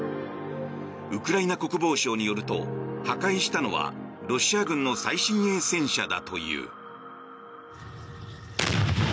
ウクライナ国防省によると破壊したのはロシア軍の最新鋭戦車だという。